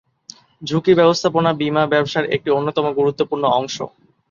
ঝুঁকি ব্যবস্থাপনা বীমা ব্যবসার একটি অন্যতম গুরুত্বপূর্ণ অংশ।